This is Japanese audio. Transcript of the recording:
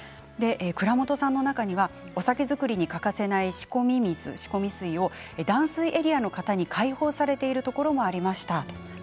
蔵元さんの中にはお酒造りに欠かせない仕込み水を断水エリアの方に開放されているところもありました。